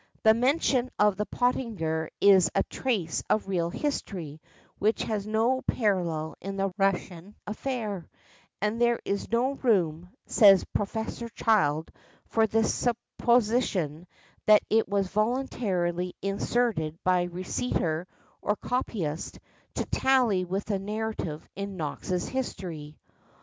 The mention of the Pottinger is a trace of real history which has no parallel in the Russian affair, and there is no room, says Professor Child, for the supposition that it was voluntarily inserted by reciter or copyist, to tally with the narrative in Knox's History.